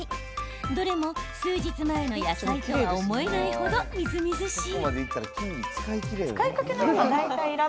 どれも数日前の野菜とは思えない程みずみずしい。